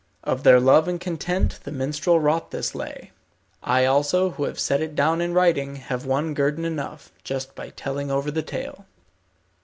Of their love and content the minstrel wrought this Lay. I, also, who have set it down in writing, have won guerdon enough just by telling over the tale.